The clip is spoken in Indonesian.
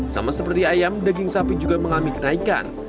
sama seperti ayam daging sapi juga mengalami kenaikan